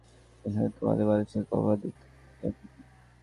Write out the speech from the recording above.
অবশ্যই নিজ নিজ ব্যবহার্য জিনিস যেমন তোয়ালে, বালিশের কভার ইত্যাদি আলাদা রাখবেন।